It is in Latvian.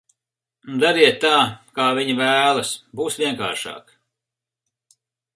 Dariet tā, kā viņa vēlas, būs vienkāršāk.